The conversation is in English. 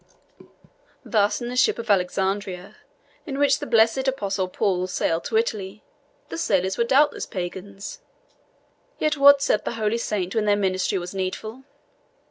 Thus in the ship of Alexandria, in which the blessed Apostle Paul sailed to Italy, the sailors were doubtless pagans; yet what said the holy saint when their ministry was needful?